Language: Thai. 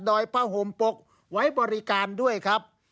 โดยผ้าห่มปกไว้บริการด้วยครับ